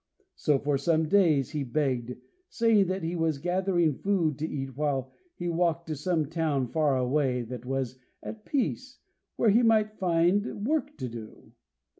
So for some days he begged, saying that he was gathering food to eat while he walked to some town far away that was at peace, where he might find work to do.